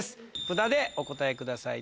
札でお答えください